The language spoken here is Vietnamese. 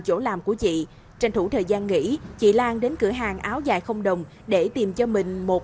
chỗ làm của chị tranh thủ thời gian nghỉ chị lan đến cửa hàng áo dài không đồng để tìm cho mình một